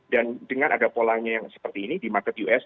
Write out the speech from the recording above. dan dengan ada polanya yang seperti ini di market us